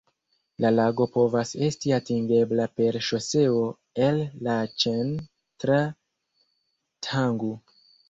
La lago povas esti atingebla per ŝoseo el Laĉen tra Thangu.